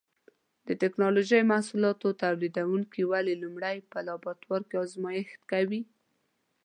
د ټېکنالوجۍ محصولاتو تولیدوونکي ولې لومړی په لابراتوار کې ازمېښت کوي؟